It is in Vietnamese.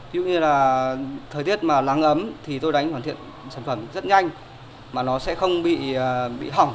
ví dụ như là thời tiết mà lắng ấm thì tôi đánh hoàn thiện sản phẩm rất nhanh mà nó sẽ không bị hỏng